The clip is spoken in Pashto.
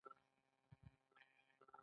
پوهنې وزارت څنګه ښوونځي اداره کوي؟